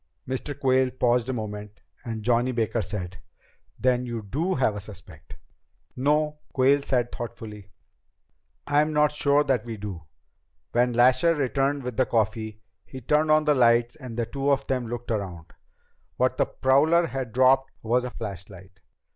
Mr. Quayle paused a moment, and Johnny Baker said, "Then you do have a suspect?" "No," Quayle said thoughtfully, "I'm not sure that we do. When Lasher returned with the coffee, he turned on the lights and the two of them looked around. What the prowler had dropped was a flashlight.